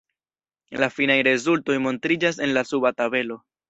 La finaj rezultoj montriĝas en la suba tabelo.